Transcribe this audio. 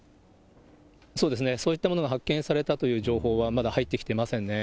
そうですね、そういったものが発見されたという情報はまだ入ってきてませんね。